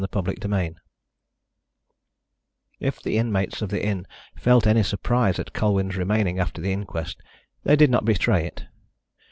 CHAPTER XII If the inmates of the inn felt any surprise at Colwyn's remaining after the inquest, they did not betray it.